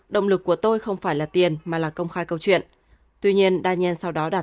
động lực của tôi không phải là tiền mà là công khai câu chuyện tuy nhiên đan sau đó đạt